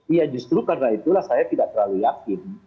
iya justru karena itulah saya tidak terlalu yakin